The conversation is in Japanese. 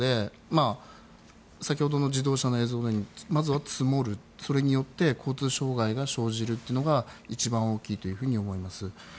先ほどの自動車の映像でも積もって、それによって交通障害が生じるというのが一番大きいと思います。